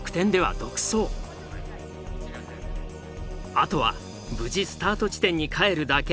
あとは無事スタート地点に帰るだけ。